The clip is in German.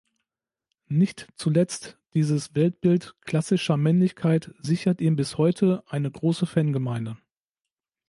Nicht zuletzt dieses Weltbild „klassischer Männlichkeit“ sichert ihm bis heute eine große Fangemeinde.